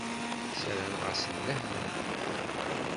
Sarameɣ-asen lehna.